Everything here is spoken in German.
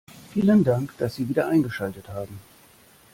Vielen Dank, dass Sie wieder eingeschaltet haben.